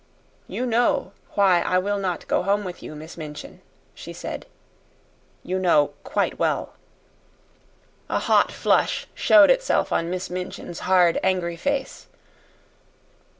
"You know why I will not go home with you, Miss Minchin," she said; "you know quite well." A hot flush showed itself on Miss Minchin's hard, angry face.